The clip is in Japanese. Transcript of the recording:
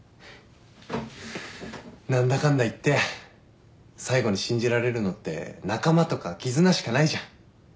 何だかんだ言って最後に信じられるのって仲間とか絆しかないじゃん。